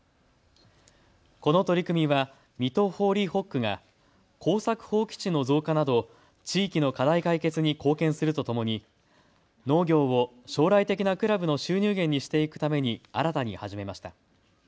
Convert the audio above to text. この取り組みは水戸ホーリーホックが耕作放棄地の増加など地域の課題解決に貢献するとともに農業を将来的なクラブの収入源にしていくために新たに始めました。